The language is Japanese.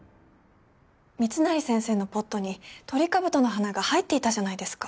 密成先生のポットにトリカブトの花が入っていたじゃないですか。